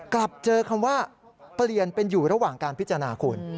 กลับเจอคำว่าเปลี่ยนเป็นอยู่ระหว่างการพิจารณาคุณ